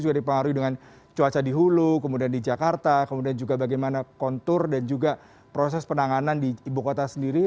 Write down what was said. jadi pengaruhi dengan cuaca di hulu kemudian di jakarta kemudian juga bagaimana kontur dan juga proses penanganan di ibu kota sendiri